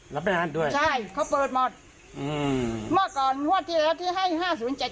แล้วไม่งั้นด้วยใช่เขาเปิดหมดอืมเมื่อก่อนงวดที่แล้วที่ให้ห้าศูนย์เจ็ด